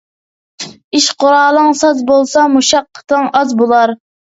ئىش قۇرالىڭ ساز بولسا، مۇشەققىتىڭ ئاز بولار.